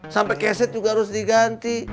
sampai keset juga harus diganti